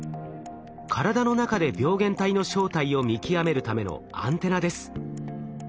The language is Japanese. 体の中で病原体の正体を見極めるためのアンテナです。